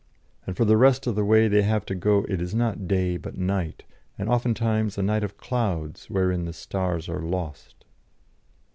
And for the rest of the way they have to go It is not day but night, and oftentimes A night of clouds wherein the stars are lost."